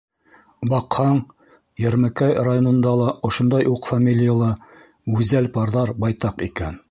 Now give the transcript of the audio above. Баҡһаң, Йәрмәкәй районында ла ошондай уҡ фамилиялы гүзәл парҙар байтаҡ икән.